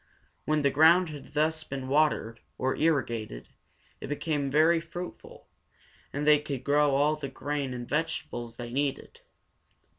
When the ground had thus been watered, or irrigated, it became very fruitful, and they could grow all the grain and vegetables they needed.